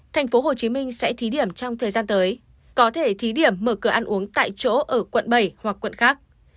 tp hcm sẽ thí điểm trong thời gian tới có thể thí điểm mở cửa ăn uống tại chỗ ở quận bảy hoặc quận khác